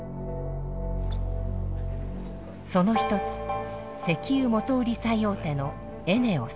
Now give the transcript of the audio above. その一つ石油元売り最大手のエネオス。